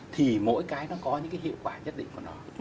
thì mỗi cái nó có những cái hiệu quả nhất định của nó